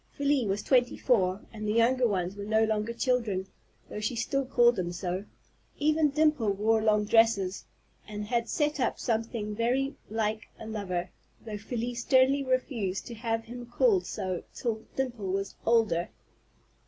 Felie was twenty four, and the younger ones were no longer children, though she still called them so. Even Dimple wore long dresses, and had set up something very like a lover, though Felie sternly refused to have him called so till Dimple was older.